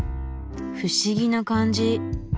不思議な感じ。